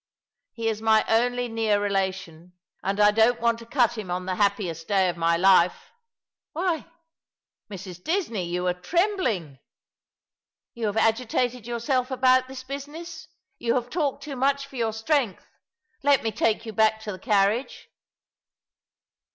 He is my only near relation, and I don't want to cut him on the happiest day of my life. Why, Mrs. Disney, you are trembling ! You have agitated yourself about this business ; you have talked too much for your strength. Let me take you back to the carriage."